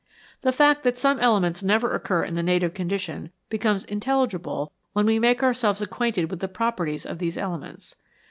The fact that some elements never occur in the native condition becomes intelligible when we make ourselves acquainted with the properties of these elements.